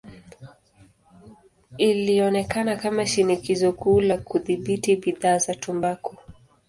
Ilionekana kama shinikizo kuu la kudhibiti bidhaa za tumbaku.